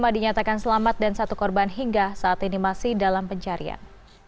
satu ratus lima puluh lima dinyatakan selamat dan satu korban hingga saat ini masih dalam pencarian